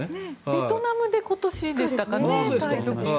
ベトナムで今年でしたかね対局が。